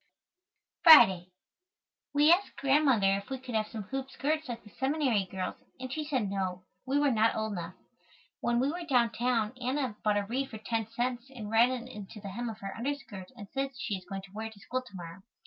Friday. We asked Grandmother if we could have some hoop skirts like the seminary girls and she said no, we were not old enough. When we were downtown Anna bought a reed for 10 cents and ran it into the hem of her underskirt and says she is going to wear it to school to morrow.